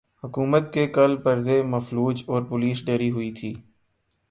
حکومت کے کل پرزے مفلوج اور پولیس ڈری ہوئی تھی۔